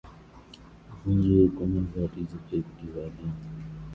The couple later divorced.